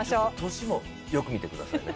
年もよく見てくださいね。